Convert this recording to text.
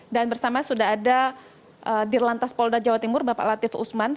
dan bersama sudah ada di lantas polda jawa timur bapak latif usman